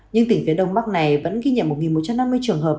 nhưng tỉnh phía đông bắc này vẫn ghi nhận một một trăm năm mươi trường hợp